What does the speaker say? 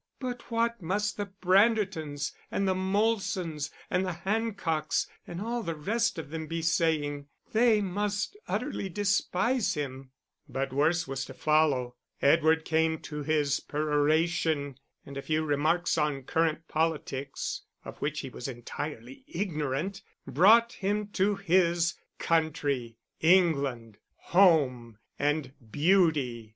But what must the Brandertons, and the Molsons, and the Hancocks, and all the rest of them, be saying? They must utterly despise him. But worse was to follow. Edward came to his peroration, and a few remarks on current politics (of which he was entirely ignorant) brought him to his Country, England, Home and Beauty.